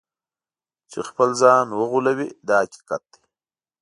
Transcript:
چې خپل ځان وغولوي دا حقیقت دی.